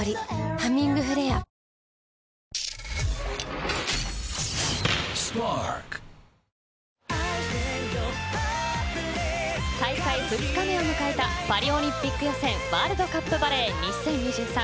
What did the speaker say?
「ハミングフレア」大会２日目を迎えたパリオリンピック予選ワールドカップバレー２０２３。